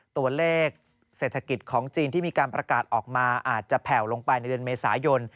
ตัวเลขเศรษฐกิจของจีนที่มีการประกาศออกมาอาจจะแผ่วลงไปในเดือนเมษายน